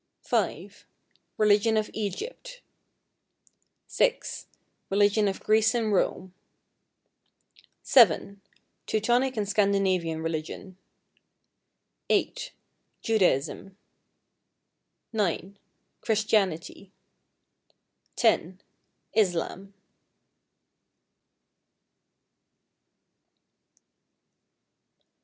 (5) Religion of Egypt. (6) Religion of Greece and Rome. (7) Teutonic and Scandinavian Religion. (8) Judaism. (9) Christianity. (10) Islâm.